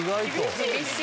厳しい。